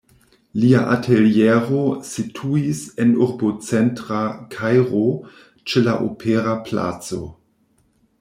Lia ateliero situis en urbocentra Kairo, ĉe la opera placo.